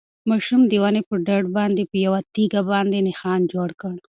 ماشوم د ونې په ډډ باندې په یوه تیږه باندې نښان جوړ کړ.